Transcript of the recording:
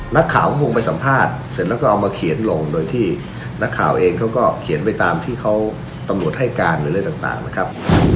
นักข่าวก็คงไปสัมภาษณ์เสร็จแล้วก็เอามาเขียนลงโดยที่นักข่าวเองเขาก็เขียนไปตามที่เขาตำรวจให้การหรืออะไรต่างนะครับ